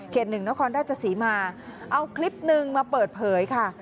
เขต๑น้องคอนด้าเจศรีมาเอาคลิปหนึ่งมาเปิดเผยค่ะ